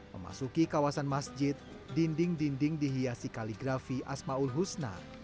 memasuki kawasan masjid dinding dinding dihiasi kaligrafi asma ul husna